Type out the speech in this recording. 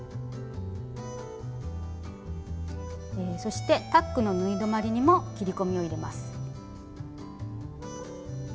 そしてタックの縫い止まりにも切り込みを入れます。